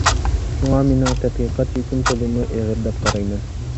شۇڭا مېنىڭ تەتقىقات يۈكۈم تولىمۇ ئېغىر دەپ قارايمەن.